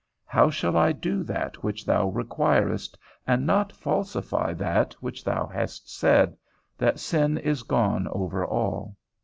How shall I do that which thou requirest, and not falsify that which thou hast said, that sin is gone over all?